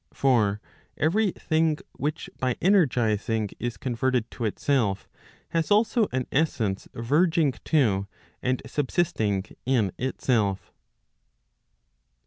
For every thing which by energizing is converted to itself, has also an essence verging to, and subsisting in itself.